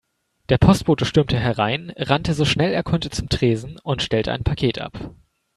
Der Postbote stürmte herein, rannte so schnell er konnte zum Tresen und stellte ein Paket ab.